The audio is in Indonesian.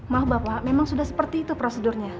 maaf bapak memang sudah seperti itu prosedurnya